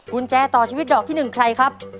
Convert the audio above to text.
กุญแจต่อชีวิตดอกที่๑ใครครับ